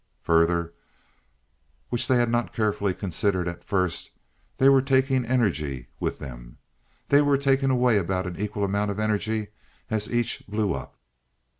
Further, which they had not carefully considered at first, they were taking energy with them! They were taking away about an equal amount of energy as each blew up.